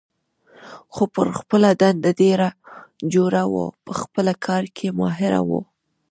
خو پر خپله دنده ډېره جوړه وه، په خپل کار کې ماهره وه.